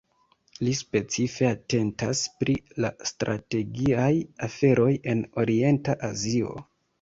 Li specife atentas pri la strategiaj aferoj en Orienta Azio.